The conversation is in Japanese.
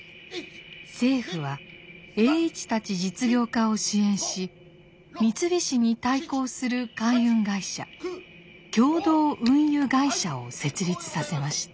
政府は栄一たち実業家を支援し三菱に対抗する海運会社共同運輸会社を設立させました。